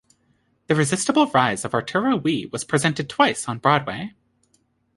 "The Resistible Rise of Arturo Ui" was presented twice on Broadway.